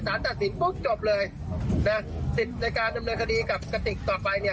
ตัดสินปุ๊บจบเลยนะสิทธิ์ในการดำเนินคดีกับกระติกต่อไปเนี่ย